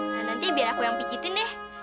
nanti biar aku yang pijitin deh